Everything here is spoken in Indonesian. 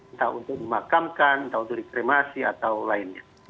entah untuk dimakamkan entah untuk dikremasi atau lainnya